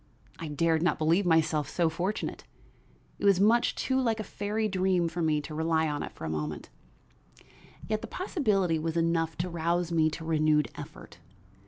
I dared not believe myself so fortunate; it was much too like a fairy dream for me to rely on it for a moment; yet the possibility was enough to rouse me to renewed effort.